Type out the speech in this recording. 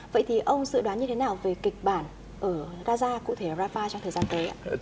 vậy thì ông dự đoán như thế nào về kịch bản ở gaza cụ thể rafah trong thời gian tới ạ